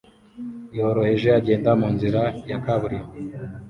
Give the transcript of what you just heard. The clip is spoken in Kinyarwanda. yoroheje agenda munzira ya kaburimbo